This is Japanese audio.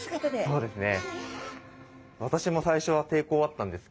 そうですね。